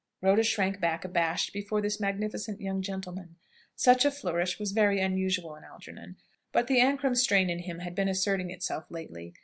Rhoda shrank back abashed before this magnificent young gentleman. Such a flourish was very unusual in Algernon. But the Ancram strain in him had been asserting itself lately.